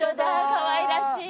かわいらしい。